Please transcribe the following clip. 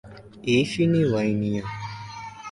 Èéfín ni ìwà ọmọ ènìyàn.